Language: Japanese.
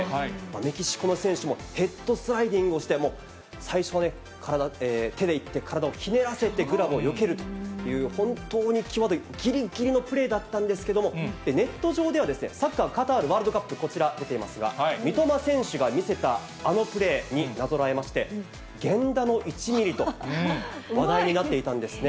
メキシコの選手もヘッドスライディングして、最初はね、体、手で行って、体をひねらせてグラブをよけるという、本当に際どいぎりぎりのプレーだったんですけども、ネット上では、サッカーのカタールワールドカップ、こちら、出ていますが、三笘選手が見せたあのプレーになぞらえまして、源田の１ミリと話題になっていたんですね。